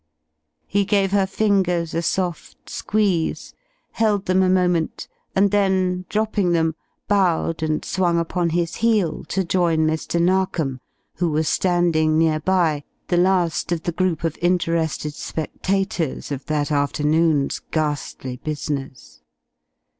He gave her fingers a soft squeeze, held them a moment and then, dropping them, bowed and swung upon his heel to join Mr. Narkom, who was standing near by, the last of the group of interested spectators of that afternoon's ghastly business.